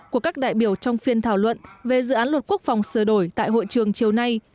của các đại biểu trong phiên thảo luận về dự án luật quốc phòng sửa đổi tại hội trường chiều nay